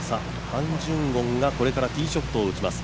ハン・ジュンゴンがこれからティーショットを打ちます。